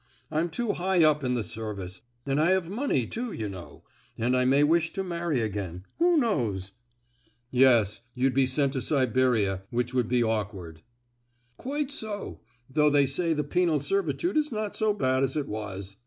I'm too high up in the service, and I have money, too, you know—and I may wish to marry again, who knows." "Yes; you'd be sent to Siberia, which would be awkward." "Quite so; though they say the penal servitude is not so bad as it was.